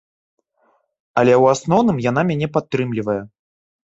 Але ў асноўным яна мяне падтрымлівае.